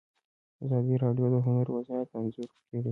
ازادي راډیو د هنر وضعیت انځور کړی.